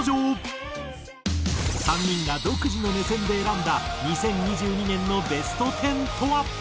３人が独自の目線で選んだ２０２２年のベスト１０とは？